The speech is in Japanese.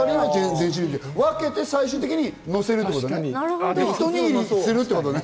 分けて最終的に乗せるということね。